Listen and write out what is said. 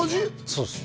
そうです